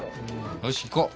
よしいこう！